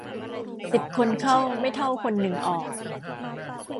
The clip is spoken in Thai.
สิบคนเข้าไม่เท่าคนหนึ่งออก